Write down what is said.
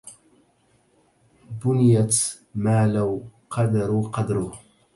بنيت ما لو قدروا قدره